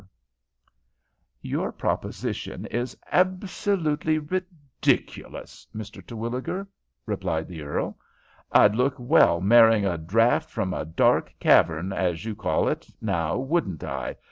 "Your proposition is absolutely ridiculous, Mr. Terwilliger," replied the earl. "I'd look well marrying a draught from a dark cavern, as you call it, now wouldn't I?